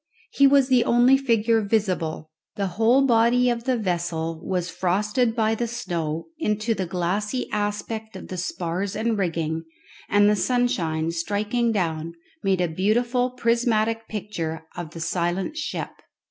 He was the only figure visible. The whole body of the vessel was frosted by the snow into the glassy aspect of the spars and rigging, and the sunshine striking down made a beautiful prismatic picture of the silent ship.